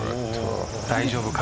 大丈夫か。